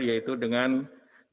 yaitu dengan diberlakukan